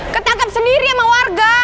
ketangkap sendiri sama warga